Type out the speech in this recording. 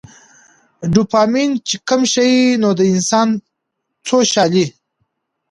ډوپامين چې کم شي نو د انسان څوشالي